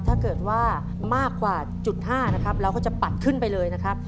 ถ้าเกิดว่ามากกว่าจุด๕นะครับเราก็จะปัดขึ้นไปเลยนะครับ